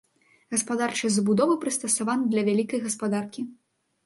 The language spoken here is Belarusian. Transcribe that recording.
Гаспадарчыя забудовы прыстасаваны для вялікай гаспадаркі.